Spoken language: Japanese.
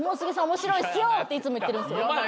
面白いっすよっていつも言ってるんですよ。